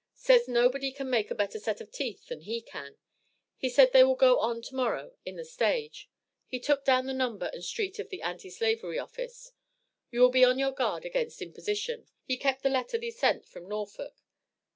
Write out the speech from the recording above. Says nobody can make a better set of teeth than he can. He said they will go on to morrow in the stage he took down the number and street of the Anti slavery office you will be on your guard against imposition he kept the letter thee sent from Norfolk.